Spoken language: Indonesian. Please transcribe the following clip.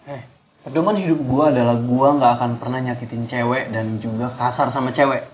eh perdoman hidup gue adalah gue gak akan pernah nyakitin cewek dan juga kasar sama cewek